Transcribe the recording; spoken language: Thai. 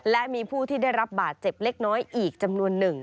และมีผู้ที่ได้รับบาดเจ็บเล็กน้อยอีกจำนวนหนึ่ง